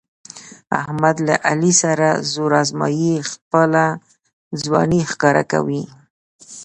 احمد له علي سره زور ازمیي، خپله ځواني ښکاره کوي.